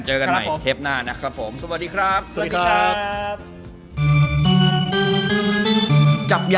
เจอกันใหม่เทปหน้านะครับ